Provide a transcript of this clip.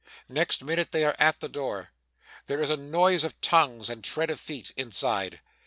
Next minute, they are at the door. There is a noise of tongues, and tread of feet, inside.